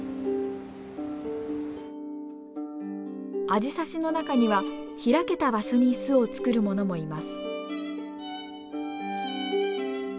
アジサシの中には開けた場所に巣を作るものもいます。